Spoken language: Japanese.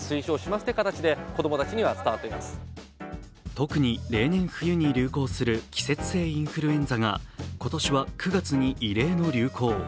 特に例年冬に流行する季節性インフルエンザが今年は９月に異例の流行。